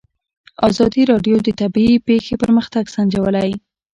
ازادي راډیو د طبیعي پېښې پرمختګ سنجولی.